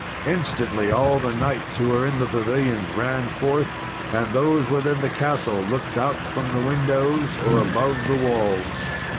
Instantly, all the knights who were in the pavilions ran forth, and those within the castle looked out from the windows, or above the walls.